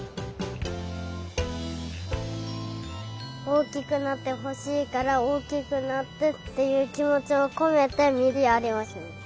おおきくなってほしいからおおきくなってっていうきもちをこめてみずやりをする。